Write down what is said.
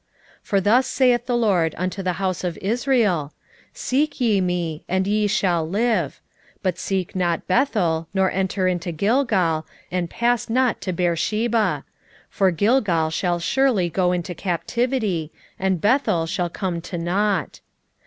5:4 For thus saith the LORD unto the house of Israel, Seek ye me, and ye shall live: 5:5 But seek not Bethel, nor enter into Gilgal, and pass not to Beersheba: for Gilgal shall surely go into captivity, and Bethel shall come to nought.